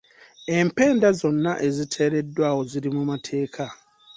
Empenda zonna eziteereddwawo ziri mu mateeka.